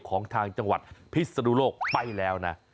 ของทางจังหวัดพิศนุโลกไปแล้วนะ